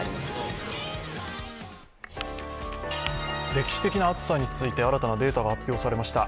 歴史的な暑さについて新たなデータが発表されました。